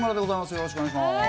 よろしくお願いします。